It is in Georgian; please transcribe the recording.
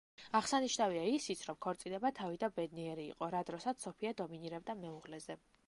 აღსანიშნავია ისიც, რომ ქორწინება თავიდან ბედნიერი იყო, რა დროსაც სოფია დომინირებდა მეუღლეზე.